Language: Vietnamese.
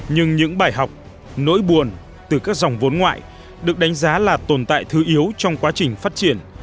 nhưng những bài học nỗi buồn từ các dòng vốn ngoại được đánh giá là tồn tại thứ yếu trong quá trình phát triển